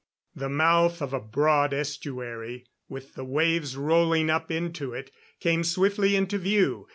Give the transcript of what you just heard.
The mouth of a broad estuary, with the waves rolling up into it, came swiftly into view.